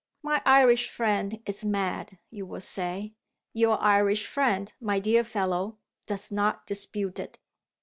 My Irish friend is mad you will say. Your Irish friend, my dear follow, does not dispute it.